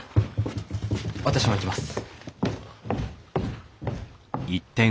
私も行きます。